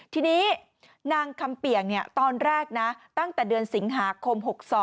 ทีนี้นางคำเปี่ยงตอนแรกนะตั้งแต่เดือนสิงหาคม๖๒